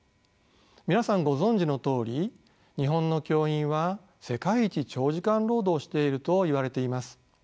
皆さんご存じのとおり日本の教員は世界一長時間労働しているといわれています。